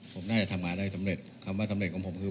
ผมน่าจะทำงานได้สำเร็จคำว่าสำเร็จของผมคือ